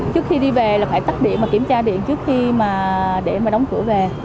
trước khi đi về là phải tắt điện và kiểm tra điện trước khi mà để mà đóng cửa về